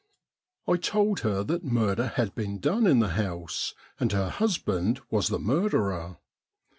I told her that murder had been done in the house, and her husband was the murderer.